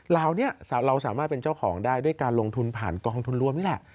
เหล่านี้เราสามารถเป็นเจ้าของได้ด้วยการลงทุนผ่านกองทุนรวมนี่แหละ